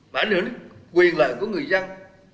mà anh hướng quyền lợi của người dân